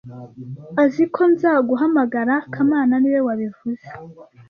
Azi ko nzaguhamagara kamana niwe wabivuze